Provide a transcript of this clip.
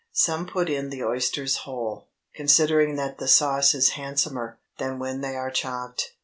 Some put in the oysters whole, considering that the sauce is handsomer than when they are chopped.